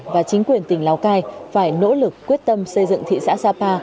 và chính quyền tỉnh lào cai phải nỗ lực quyết tâm xây dựng thị xã sapa